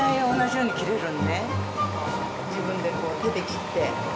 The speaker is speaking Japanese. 自分でこう手で切って。